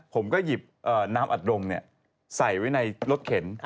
ผมก็หยิบน้ำอัดดงใส่ไว้ในรถเข็น